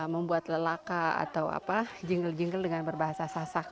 membuat lelaka atau jinggel jinggel dengan berbahasa sasak